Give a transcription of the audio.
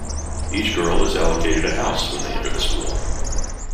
Each girl is allocated a house when they enter the school.